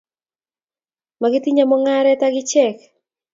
makitinye mung'aret ak icheke